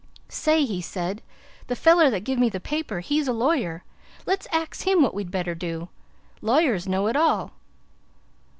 "Say," he said, "the feller that give me the paper, he's a lawyer. Let's ax him what we'd better do. Lawyers knows it all."